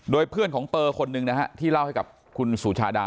โดยเพื่อนของเปอร์คนหนึ่งนะฮะที่เล่าให้กับคุณสุชาดา